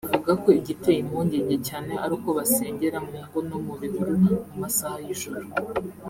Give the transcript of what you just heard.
Avuga ko igiteye impungenge cyane ari uko basengera mu ngo no mu bihuru mu masaha y’ijoro